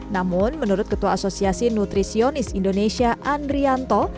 namun menurut ketua asosiasi nutrisionis indonesia andrianto